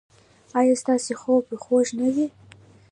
ایا ستاسو خوب به خوږ نه وي؟